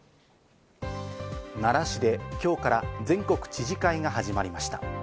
奈良市で今日から全国知事会が始まりました。